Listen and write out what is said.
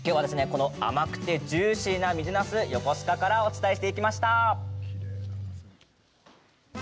この甘くてジューシーな水なす横須賀からお伝えしていきました。